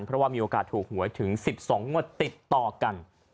เพราะว่ามีโอกาสถูกหวยถึง๑๒งวดติดต่อกัน